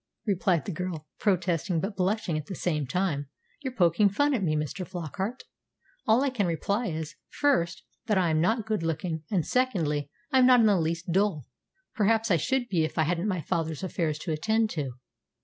replied the girl, protesting, but blushing at the same time, "you're poking fun at me, Mr. Flockart. All I can reply is, first, that I'm not good looking; and, secondly, I'm not in the least dull perhaps I should be if I hadn't my father's affairs to attend to."